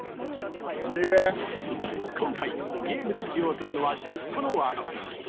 今回、ゲームで使用するのは１０個のワード。